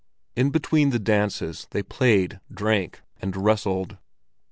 In between the dances they played, drank, and wrestled.